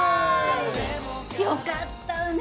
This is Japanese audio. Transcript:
よかったわね